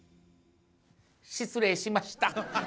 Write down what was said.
失礼しました。